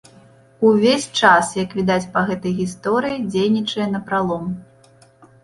Увесь час, як відаць па гэтай гісторыі, дзейнічаеце напралом.